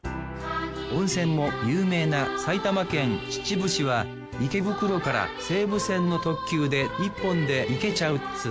温泉も有名な埼玉県秩父市は池袋から西武線の特急で１本で行けちゃうっつう